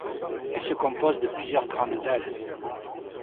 Elle se compose de plusieurs grandes dalles.